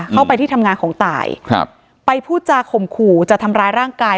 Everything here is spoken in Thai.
เข้าไปที่ทำงานของตายครับไปพูดจาข่มขู่จะทำร้ายร่างกาย